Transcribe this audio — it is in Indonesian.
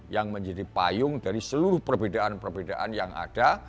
yang menjadi payung dari seluruh perbedaan perbedaan yang ada